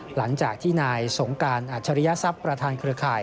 หลังจากที่นายสงการอัจฉริยศัพย์ประธานเครือข่าย